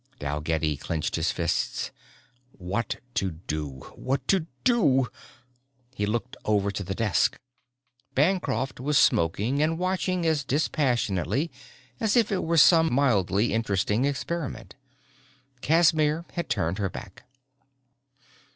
Dalgetty clenched his fists. What to do, what to do? He looked over to the desk. Bancroft was smoking and watching as dispassionately as if it were some mildly interesting experiment. Casimir had turned her back.